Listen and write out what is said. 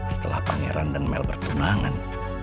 setelah pangeran dan mel bertunangan